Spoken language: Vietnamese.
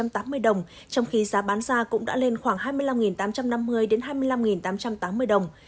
trong khi giá bán ra cũng đã lên khoảng hai mươi năm tám trăm năm mươi hai mươi năm tám trăm tám mươi đồng